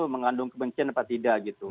mengandung kebencian apa tidak gitu